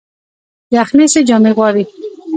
یخني څه جامې غواړي؟